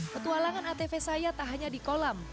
petualangan atv saya tak hanya di kolam